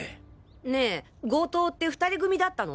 ねえ強盗って２人組だったの？